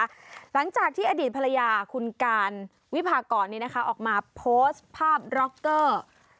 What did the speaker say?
หลังจากที่อดีตภรรยาคุณการวิพากรออกมาโพสต์ภาพร็อกเกอร์